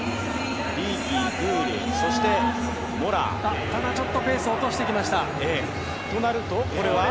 リーキー、グール、そしてモちょっとペースを落としてきました。